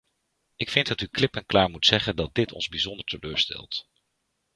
Ik vind dat u klip en klaar moet zeggen dat dit ons bijzonder teleurstelt.